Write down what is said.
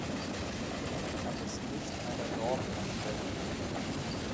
Er muss nicht einer Norm entsprechen.